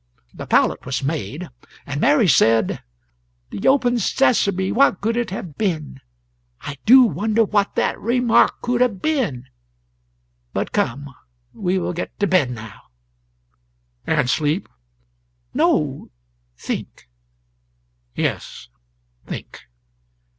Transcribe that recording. The pallet was made, and Mary said: "The open sesame what could it have been? I do wonder what that remark could have been. But come; we will get to bed now." "And sleep?" "No; think." "Yes; think."